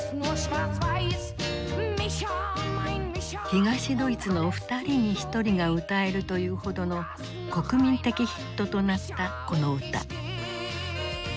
東ドイツの２人に１人が歌えるというほどの国民的ヒットとなったこの歌。